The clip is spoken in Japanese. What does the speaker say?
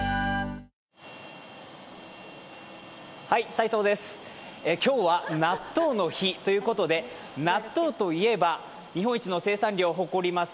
齋藤です、今日は納豆の日ということで、納豆といえば日本一の生産量を誇ります